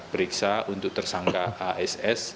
periksa untuk tersangka ass